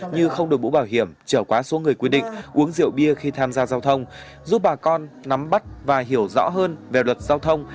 như không đổi mũ bảo hiểm trở quá số người quy định uống rượu bia khi tham gia giao thông giúp bà con nắm bắt và hiểu rõ hơn về luật giao thông